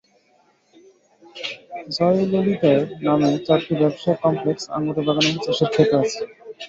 জয়ললিতার নামে চারটি ব্যবসায়িক কমপ্লেক্স, আঙুরের বাগান এবং চাষের খেতও আছে।